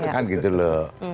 kan gitu loh